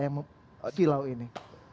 yang menghilau ini